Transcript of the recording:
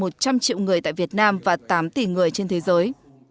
một trăm linh triệu người tại việt nam và tám tỷ người trên thế giới